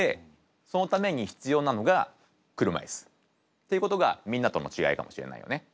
っていうことがみんなとの違いかもしれないよね。